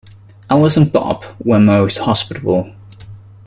Alice and Bob were most hospitable